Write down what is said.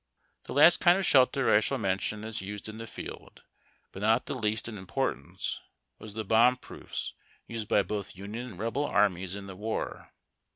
The last kind of shelter I shall mention as used in the field, but not the least in importance, was the Bomb proofs used by both Union and Rebel armies in the war.